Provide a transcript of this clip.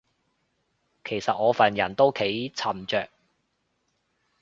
但其實我份人都幾沉着